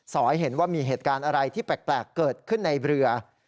อยเห็นว่ามีเหตุการณ์อะไรที่แปลกเกิดขึ้นในเรือ